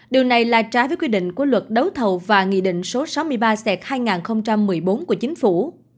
điều này là trái với quy định của luật đấu thầu và nghị định số sáu mươi ba c hai nghìn một mươi bốn của chính phủ